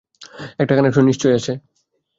একটা কানেকশন নিশ্চয় আছে।